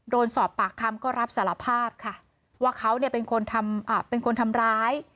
โดนสอบปากคำก็รับสารภาพค่ะว่าเขาเนี่ยเป็นคนทำเป็นคนทำร้าย